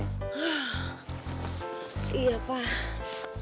hah iya pak